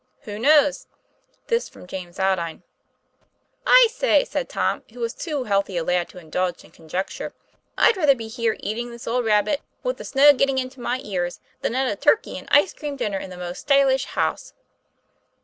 'Who knows?" This from James Aldine. "I say," said Tom, who was too healthy a lad to indulge in conjecture, 'I'd rather be here eating this old rabbit, with the snow getting into my ears, than at a turkey and ice cream dinner in the most stylish house."